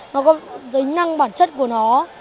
nó có tính năng bản chất của nó